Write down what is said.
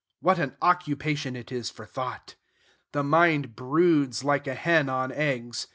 What an occupation it is for thought! The mind broods like a hen on eggs.